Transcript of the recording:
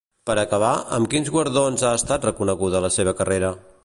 Per acabar, amb quins guardons ha estat reconeguda la seva carrera?